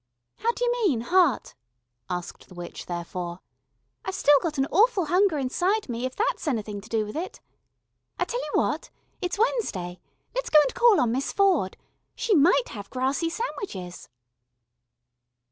"How d'you mean heart?" asked the witch therefore. "I've still got an awful hunger inside me, if that's anything to do with it. I'll tell you what. It's Wednesday. Let's go and call on Miss Ford. She might have grassy sandwiches."